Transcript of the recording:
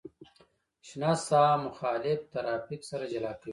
شنه ساحه مخالف ترافیک سره جلا کوي